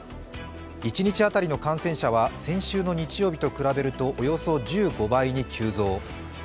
１日当たりの感染者は先週の日曜日と比べるとおよそ１５倍に急増。